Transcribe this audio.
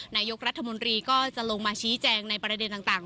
นายกรัฐมนตรีก็จะลงมาชี้แจงในประเด็นต่าง